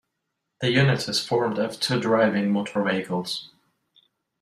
The unit is formed of two driving motor vehicles.